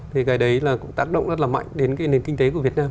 thì cái đấy là cũng tác động rất là mạnh đến cái nền kinh tế của việt nam